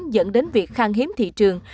dẫn đến việc khang hiếm thị trường